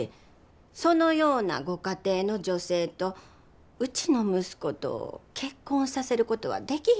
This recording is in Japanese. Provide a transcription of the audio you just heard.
そのようなご家庭の女性とうちの息子と結婚させることはできひんのです。